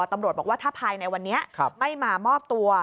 ตำรวจบอกว่าถ้าภายในวันนี้ไม่มามอบตัว